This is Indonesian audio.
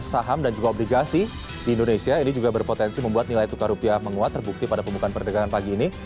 saham dan juga obligasi di indonesia ini juga berpotensi membuat nilai tukar rupiah menguat terbukti pada pembukaan perdagangan pagi ini